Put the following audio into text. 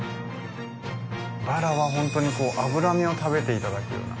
バラはホントにこう脂身を食べて頂くような。